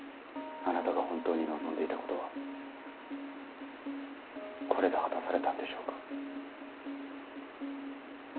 あなたが本当に望んでいたことはこれで果たされたんでしょうか？